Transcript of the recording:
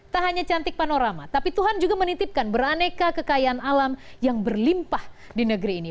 tak hanya cantik panorama tapi tuhan juga menitipkan beraneka kekayaan alam yang berlimpah di negeri ini